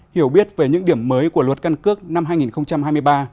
hiểu biết về những điểm mới của luật căn cước năm hai nghìn hai mươi ba